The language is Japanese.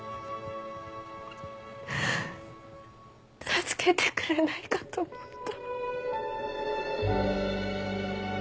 助けてくれないかと思った。